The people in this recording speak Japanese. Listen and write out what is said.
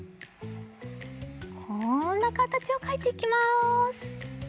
こんなかたちをかいていきます。